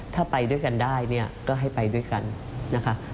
ถ้าไปด้วยกันได้เนี่ยก็ให้ไปด้วยกันนะคะ